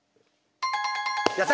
やった！